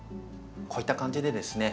こういった感じでですね